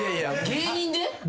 芸人で。